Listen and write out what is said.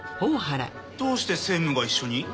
どうして専務が一緒に？